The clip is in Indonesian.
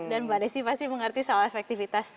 dan mbak desi pasti mengerti soal efektivitas